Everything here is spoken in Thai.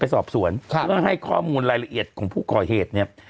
สอบสวนเพื่อให้ข้อมูลรายละเอียดของผู้ก่อเหตุเนี่ย